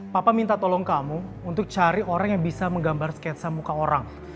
papa minta tolong kamu untuk cari orang yang bisa menggambar sketsa muka orang